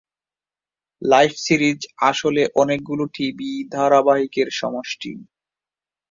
Life series আসলে অনেকগুলো TV ধারাবাহিকের সমষ্টি।